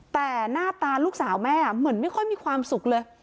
แต่หน้าตาลูกสาวแม่เหมือนไม่ค่อยมีความสุขเลย